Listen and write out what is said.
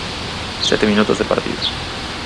Sete minutos de partido.